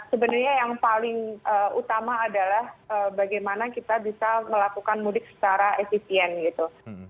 sebenarnya yang paling utama adalah bagaimana kita bisa melakukan mudik secara efisien gitu